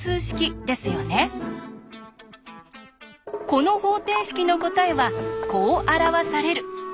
この方程式の答えはこう表される！